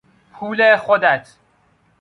پول خودت